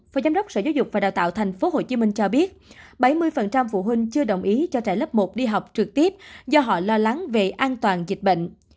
phó giám đốc sở giáo dục và đào tạo tp hcm cho biết bảy mươi phụ huynh chưa đồng ý cho trẻ lớp một đi học trực tiếp do họ lo lắng về an toàn dịch bệnh